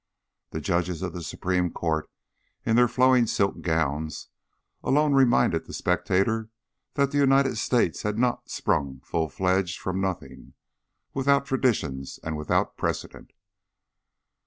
The Judges of the Supreme Court, in their flowing silk gowns, alone reminded the spectator that the United States had not sprung full fledged from nothing, without traditions and without precedent.